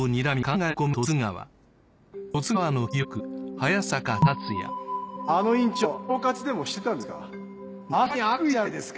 早坂：あの院長恐喝でもしてたんですか。